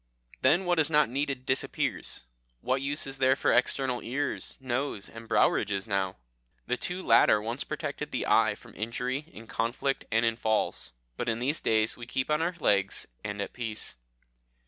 Then what is not needed disappears. What use is there for external ears, nose, and brow ridges now? The two latter once protected the eye from injury in conflict and in falls, but in these days we keep on our legs, and at peace.